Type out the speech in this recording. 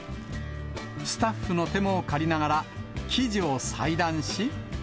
スタッフの手も借りながら、生地を裁断し。